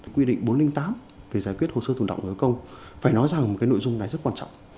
quy định bốn trăm linh tám về giải quyết hồ sơ thủ động người có công phải nói rằng một cái nội dung này rất quan trọng